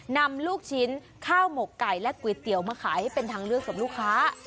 นำลูกชิ้นข้าวหมกไก่และก๋วยเตี๋ยวมาขายให้เป็นทางเลือกกับลูกค้า